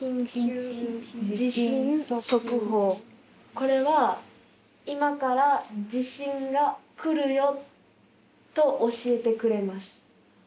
これは「今から地震が来るよ」と教えてくれます。